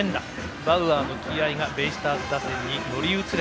バウアーの気合いがベイスターズ打線には乗り移れ！